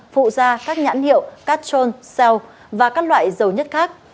phụ da các nhãn hiệu cat trôn xeo và các loại dầu nhất khác